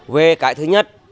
về cái thứ nhất